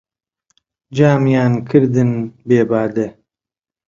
جامیان کردن بێ بادە